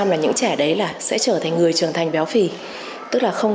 là những trẻ đấy là sẽ trở thành người trưởng thành béo phì